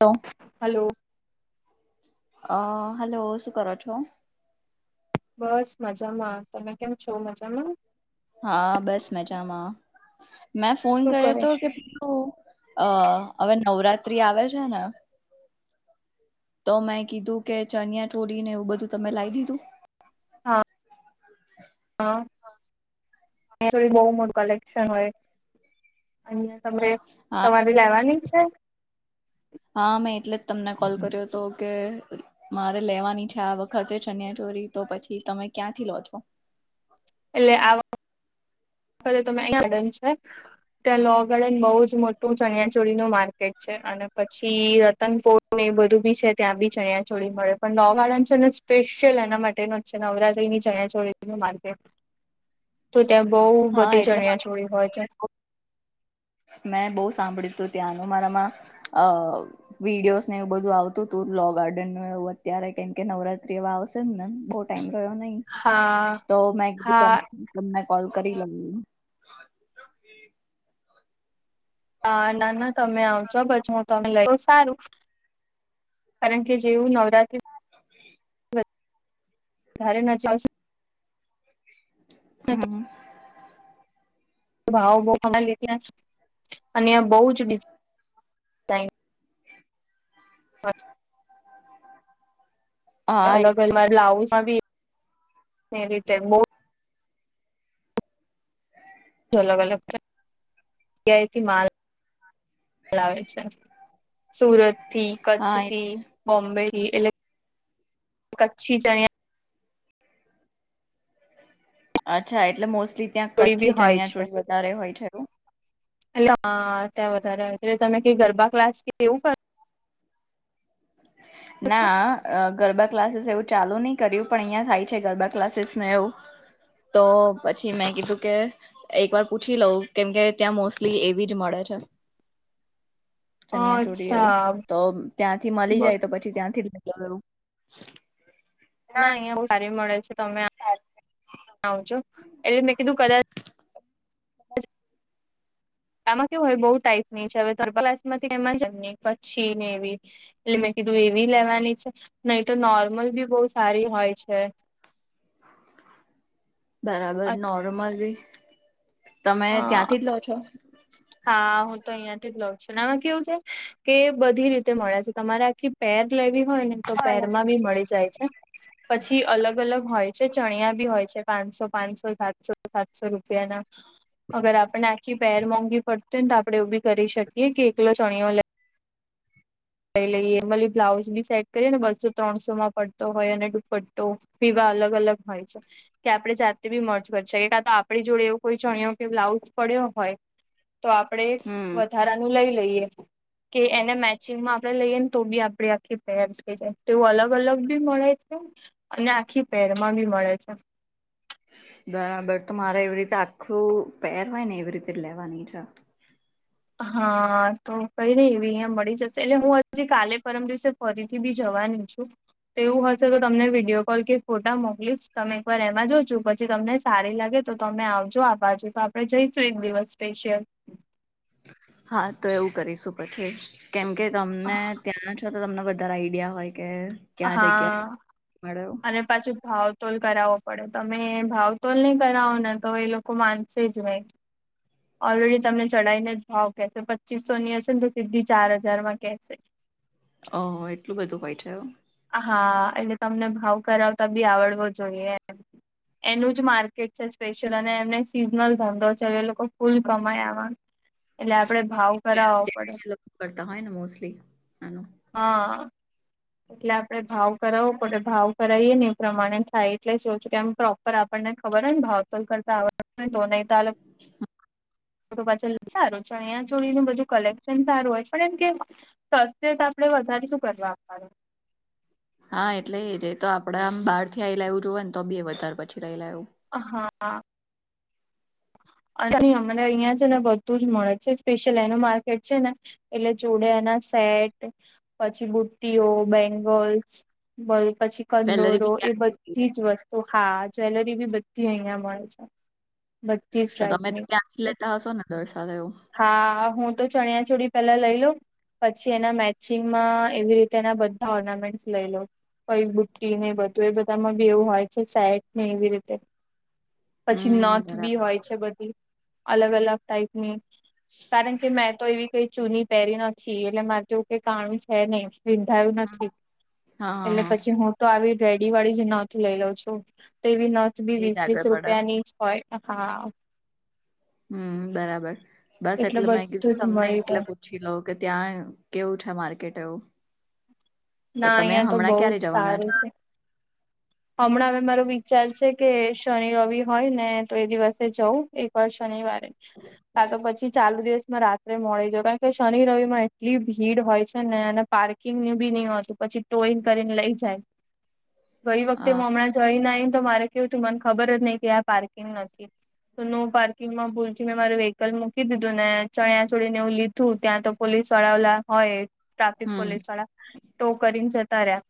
તો. હાલો. અ હાલો શું કરો છો? બસ મજામાં. તમે કેમ છો, મજામાં? હા બસ મજામાં, મેં ફોન શું કર્યો કરે? હતો કે અ હવે નવરાત્રી આવે છે ને તો મેં કીધું કે ચણિયા ચોડીને એવું બધું તમે લાઈ દીધું? હા, હા. થોડી બહુ મોટું કલેક્શન હોય. હમ્મ. તમે હા તમારે લેવાની છે? હા મેં એટલે જ તમને કોલ કર્યો તો કે મારે લેવાની છે આ વખતે ચન્યાચોરી તો પછી તમે ક્યાંથી લો છો? એટલે આવા તે તો મે અયા બેન છે. ત્યાં લો ગાર્ડન ને બહુ જ મોટું ચણિયાચોળી નું માર્કેટ છે અને પછી રતનપોળ એ બધું બી છે ત્યાં બી ચણિયા ચોળી મળે પણ લો ગાર્ડન છે ને સ્પેશિયલ એના માટેનો છે. નવરાત્રી ની ચણિયાચોળીનું માર્કેટ. તે બઉ હા બધી એટલે ચણિયા ચોલી હોય છે. મેં બહુ સાંભળ્યું તું ત્યાંનું મારામાં, અ વિડીયોઝ ને એવું બધું આવતું તું લો ગાર્ડન ને એવું અત્યારે કેમ કે નવરાત્રી અવે આવશે નેન ટામ રહ્યો નહી હા તો મે તમ હા તમને કોલ કરી લઉ. હા ના ના તમે આવશો પછ હું તમે લઈ, સારું કારણ કે જેવું નવરાતી અ તારે ના ચાલસે. ને હમ્મ. ભાવો બવ ખાલે ત્યાં જ અને બવ જ ડિફ હા એ- અલગ અલ બ્લાઉઝમાં બી એ રીતે બવ અલગ અલગ ત્યાંથી માલ છે સુરત થી હા કચ્છથી એટલે બોમ્બે એટલે કચ્છી ચણ અચ્છા એટલે મોસ્ટલી ત્યાં ચોળી બી કચ્છી હોય ચનિયાચોળી વધારે હોય છે. એવું એ હા ત્યાં વધારે એટલે તમે ક ગરબા ક્લાસ કે એવું કર છો ના. અ ગરબા ક્લાસીસ એવું ચાલુ નહી કર્યું પણ અહિયાયા થાય છે ગરબા ક્લાસીસ ને એવું તો પછી મેં કીધું કે એક વાર પૂછી લઉં કેમકે ત્યાં મોસ્ટલી એવી જ મળે છે. ચનિયા ચોરી એવું અચ્છા તો ત્યાંથી મળી જાય પછી ત્યાંથી જ નની ગું ના અહિયાં બ સારી મળેલ છે તમે આવજો એટલે મેં કીધું કદાચ આમાં કેવ હોય બહુ ટાઈપ ની છે હવેલાસમાંથી એમાંમ કચ્છી નેવી એટલે મેં કીધું એવી લેવાની છે નહી તો નોર્મલ બી બહુ સારી હોય છે. બરાબર નોર્મલ ભી તમે ત્યાંથી જ લો છો. હા હું તો અહિયાં થી જ લઉં છું આમાં કેવું છે. કે બધી રીતે મળે છે તમારે આખી પેર લેવી હોય ને તો પેર માં બી મળી જાય છે. હ. પછી અલગ અલગ હોય છે ચણિયા બી હોય છે પાંચસો પાંચસો સાતસો સાતસો રૂપિયાના અગર આપડને આખી પેર મોંઘી પડતી હોયને તો આપડે એ બી કરી શકીએ કે એકલો ચણયો લે પ લઈ એ મલી બ્લાઉઝ બી સેટ કરી ને બસો ત્રણસો માં પડતો હોય અને દુપટ્ટો પીવા અલગ અલગ હોય છે. કે આપણે જાતે બી મર્જ કરી શકીએ કા તો આપણી જોડે એવો કોઈ ચણયો કે બ્લાઉઝ પડ્યો હોય તો આપડે હમ વધારાનું લઈ લઈએ કે એને મેચિંગમાં આપણે લઈએને તો બી આપે આખી ફસ ક જાય તોવું અલગ અલગ બી મળે છે અને આખી પેરમાં બી મળે છે બરાબર તો મારે એવી રીતે આખું પહેરવાય ને એવી રીતે લેવાની છે હા તો કઈ નઈ એવી અહિયાં મળી જશે એટલે હું હજી કાલે પરમ દિવસે ફરીથી બી જવાનું છું તો એવું હશે તો તમને વિડીિયો કોલ કે ફોટા મોકલીશ તમે એકવાર એમાં જો છો પછી તમને સારી લાગે તો અમે આવજો આ બાજુ તો આપડે જઈશું એક દિવસ સ્પેશિયલ હા તો એવું કરીશું પછી કેમ કે તમને ત્યાં જ તમને વધારે આઈડિયા હોય કે ક્યાં જગ્યાએ હા મળે અનેરે પાછું ભાવતોલ કરાવવો પડે તમે ભાવતોલ નહી કરાવો ને તો એ લોકો માનસે જ હોય [inaudible] ઓલરેડી તમને ચઢાઈ ને જ ભાવ કેશે પચ્ચીસો ની હશે ને તો સીધી ચાર હજારમાં કેહેશે ઓ એટલું બધું હોય થું હા એટલે તમને ભાવ કરાવતા બી આવડવો જોઈએમ એનું જ માર્કેટ છે સ્પેશિયલ અને એમને સિઝનલ ધંધો છે એ લોકો ફૂલ કમાયામાં એટલે આપડે ભાવ કરાવો પડે એ કરતા હોય ને મોસ્ટલી એનું હા એટલે આપડણે ભાવ કરાવો પ ભાવ કરાવીએ ને એ પ્રમાણે થાય એટલે શું કે આમ પ્રોપ પર આપણને ખબર હો ને ભાવતોલ કરતા આવડ તો નહી તો અલ પાછળ સારું ચણિયા ચોળીનુંું બધું કલેક્શન સારું હોય પણ એમ કે તો આપડે વધારે શું કરવા આપવાડ હા એટલે જે તો આપડા આમ બારથી આવી લાવું જોવ ને તો બે વધારે પછી લઈ લ આવું હા અમને અહિયાં છે ને બધું જ મળે છે સ્પેશિ્યયલ એનું માર્કેટ છે ને એટલે જોડેના સેટ પછી બુટ્ટઈઓ બેંગલ્સ. બલ પછી વેલેરી કંદોરો બી એ ક્યાંથી બધી જ વસ્તુ હા જ્વેલરી બી બધી અહિયાં મળે છે. બધી જ તો તમે ટાઈપની ત્યાંથી લેતા હશો ને દરસા એવું હા હું તો ચણિયા ચોડી પેલા લઈ લઉ. પછી એના મેચિંગમાં એવી રીતે એના બધા ઓર્નામેન્ટ લઈ લો. કોઈ બુટ્ટી ને બધું એ બધામાં બી એવું હોય છે સેટ ને એવી રીતે પછી હમ નથ બી બરાબર હોય છે બધી અલગ અલગ ટાઈપની કારણ કે મેં તો એવી કઈ ચૂની પહેરી નથી એટલે મારે તોવું કઈ કાણું છે નહી. વિંધાયું હમ્મ, નથી હા હા એટલે હા પછી હું તો આવી રેડી વાળી જ નથ લઈ લઉ છું તેવી નથ બી એજ વીસ વીસ આગળ પડે રૂપિયાની હોય હા. હમ બરાબર બસ એટલે એટલું મા ગીધું બધું જ તમને મળી રહે એટલે પછી લોઉ કે ત્યાં કેવું છે માર્કેટ એવું? તો ના તમે અહિયાં તો હમણાં બહુ ક્યારે જ જવાના સારું છો? છે હમણાં હવે મારો વિચાર છે કે શનિ રવિ હોય ને તો એ દિવસે જવં એકવાર શનિવાર. કા તો પછી ચાલુ દિવસમાં રા મળી જા કારણ કે શનિ રવિ માં એટલી ભીડ હોય છે ને અને પાર્કિંગ ની બી નહી હોય છે પછી ટોઈન કરીને લઈ જાય. ગઈ વખતે અ હું હમણાં જઈ નાઈ તો મારે કેવું તું મને ખબર જ નહિ કે આ પાર્કિંગ નથી. તો નો પાર્કિંગમાં ભૂલ પી મેં મારું વ્હીકલ મૂકી દીધું ને ચણ્યા ચોળી ને એવું લીધું ત્યાં તો પોલીસવાળા ઓલા હોય. ટ્રાફિક હમ પોલીસ વાળા તો કરીને જતા રહ્યા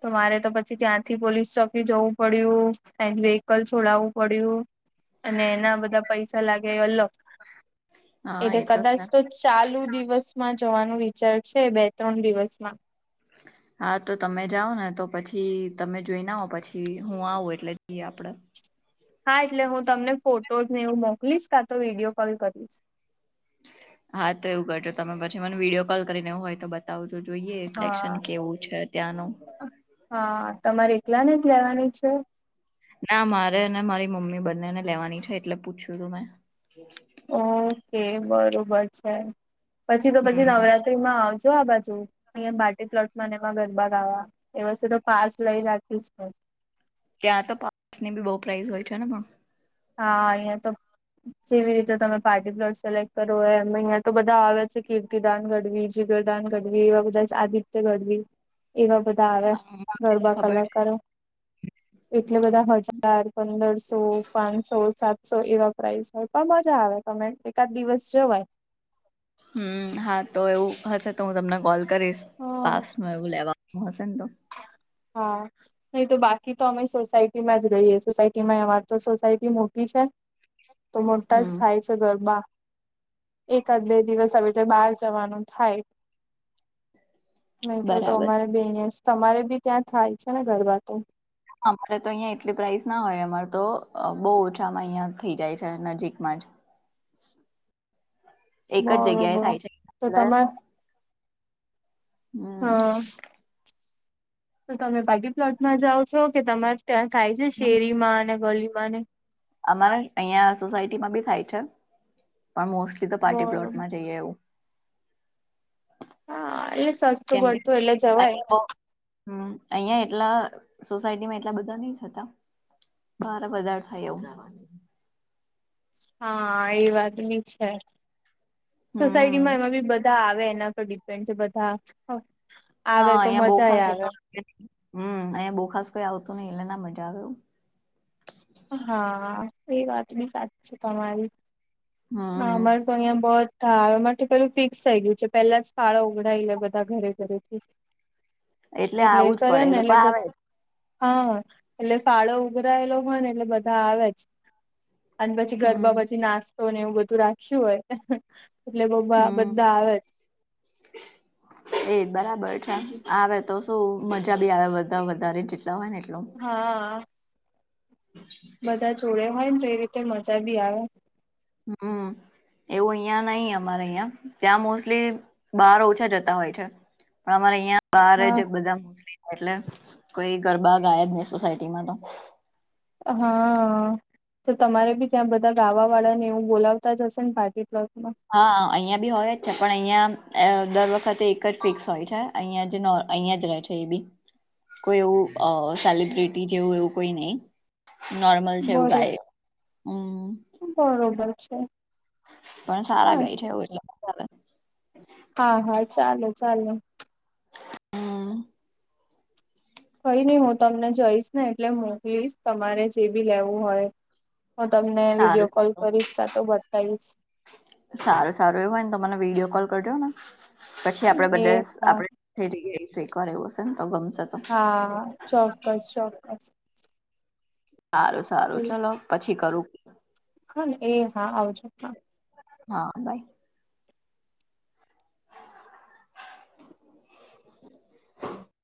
તો મારે તો પછી ત્યાં થી પોલીસ ચોકી જવું પડ્યું વેહકલ છોડાવવું પડ્યું. અને એના બધા પૈસા લાગેલો હા એટલે એ કદાચ છે તો ચાલુ દિવસમાં જવાનું વિચાર છે બે ત્રણ દિવસમાં હ. હા તો તમે જાઓ ને તો પછી તમે જોઈને આવ પછી હું આવું એટલે જઈએ આપડ હા એટલે હું તમને ફોટોઝ ને એવું મોકલીશ કા તો વિડીયો કોલ કરીશ. હા તો એવું કરજો તમે પછી મને વિડીયો કોલ કરીનેેવું હોય તો બ બ તો જોઈએ હા ફલેક્શન કેવું છે ત્યાંનું? હા તમારે એકલા ને જ લેવાની છે? ના મારે અનેને મારી મમ્મી બંનેને લેવાની છે એટલે પૂછ્યું તું મેં. ઓકે બરોબર છે પછી તો પછી હમ નવરાત્રી માં આવજ જો આ બાજુ. અહીયાં બાર્ટી પ્લોટ મને એમાં ગરબા ગવા એ વસ્તુ તો પાસ લઈ રાખીશ. ત્યાં તો પાસ ની બી બહુ પ્રાઇઝ હોય છે ને પણ. હા હી તો જેવી રીતે તમે પાર્ટી બ્લડ સિલેક્ટ કરો હોય એ અહિયાં તો બધા આવે્યા છે કીર્તિદાન ગડવી જીગરદાન ગઢવી બાબુ દાસ આદિત્ય ગઢવી એવા બધા આવે હા મને ગરબા ખબર છે કલાકારો. એટલે બધા હજાર પંદરસો પાંચસો સાતસો એવા પ્રાઇસ હોય પણ મજા આવે તમે એકાદ દિવસ જવાય હમ હા તો એવું હશે તો હું તમને કોલ કરીશ હા પાસ ન એવું લેવાનું હશે ને તો. હા. નહી તો બાકી તો અમે સોસાયટી માં જ રહીએ સોસાયટી માં અવાર તો સોસાયટી મોટી છે. તો મોટા હમ થાય છે ગરબા. એકાદ બે દિવસ હવે બહાર જવાનું થાય. નહી તો બરાબર તમારે બી અ તમારે બી ત્યાં થાય છે ને ગરબા તો. અમારે તો અહિયાં એટલી પ્રાઇસ ના હોય અમારે તો બહુ ઓછામાં અહિયાં થઈ જાય છે નજીકમાં જ. એક જ જગ્યાએ બરોબર થાય છે તો ને તમે હા તો તમે બાકી પ્લોટમાં જાઓ છો કે તમારે ત્યાં થાય છે શેરી માં અને ગલીમાં ને અમારા અહિયાં સોસાયટીમાં બી થાય છે પણ મોસ્ટલી તો પાર્ટી બરોબર પ્લોટમાં જઈએ એવું હા એટલે સસ્તું કેમ કે પડતું એટલે જવાય અહીંયા બહુ હમ અહિયાં એટલા સોસાયટીમાં એટલા બધા નહીં થતા બાર વધારે થાય એવું હા એ વાતબી છે સોસાયટી હમ માં એમાં બી બધા આવે એના પર ડિપેન્ડ છે બધા અ હા અહિયા બહુ ખાસ એતો [inaudible] હં અહીંયા બહુ ખાસ કોઈ આવતું નહિ એટલે ના મજા આવે એવું હા એ વાત બી સાચી છે તમારી ના હમ અમાર તો અહીંયા બધા આવે [inaudible] ફિક્સ થઈ ગયું છે પેલા જ ફાળો ઉગડઈ લે બધા ઘરે ઘરેથી એટલે આવું એ જ કરે પડે ને લોકો એટલે બધું આવે જ. હા એટલે ફાળો ઉઘરાયેલો હોયને એટલે બધા આવે જ અને પછી ગરબા હમ પછી નાસ્તો ને એવું બધું રાખ્યું હોય એટલે બહુ બા બધા આવે જ એ બરાબર છે જ આવે તો તો મજા બી આવ બધા વધારે જેટલા હોય ને એટલો હા [inaudible] બધા જોડે હોય ને તો એ રીતે મજા બી આવે હમ એવું અહિયાં નહીં અમારે અહિયાં ત્યાં મોસ્ટલી બહાર ઓછા જતા હોય છે પણ અમારે અહીંયા બાર હા જ બધા મોસ્ટલી થાય એટલે કોઈ ગરબા ગાય જ નહી સોસાયટીમાં તો હા આ તો તમારે બી ત્યાં બધા ગાવા વાળા ને એવું બોલાવતા જ હશે ને પાર્ટી પ્લોટમાં હા અહિયાં બી હોય જ છે પણ અહિયાં દર વખતે એક જ ફિક્સ હોય છે અહિયાં જ નો અહિયાં જ ર રહે છે એ બી કોઈ એવું સેલિબ્રિટી જેવું એવું કોઈ નહી નોર્મલ છે એવું બરો ગાય હમ બરોબર છે પણ સારા હા ગઈ છે એવા જ લોકોને બોલાવે હા હા ચાલે ચાલે [inaudible] હમ કઈ નહી હું તમને જઈશ ને એટલે મોકલીશ તમારે જે બી લેવું હોય હું તમને સારું વિડીયો કોલ સારું કરીશ કા તો બતાઈશ સારું સારું એવું હોય ને તને વિડીયો કોલ કરજો ને પછી આપડે એ બધા હા આપડે [inaudible] ઘરે એવુ હશેન તો ગમશે તો હા ચોક્કસ ચોક્કસ સારું સારું એ ચલો પછી કરું હા ને એ હા આવજો હા બાય [inaudible]